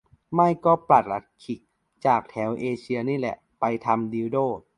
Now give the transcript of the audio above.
ไม่ก็ปลัดขิก จากแถวเอเชียนี่แหละ ไปทำดิลโด้